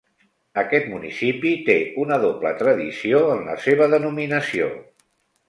Aquest municipi té una doble tradició en la seva denominació.